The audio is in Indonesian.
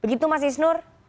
begitu mas isnur